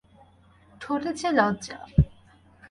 ঠোঁটে যে লজ্জা।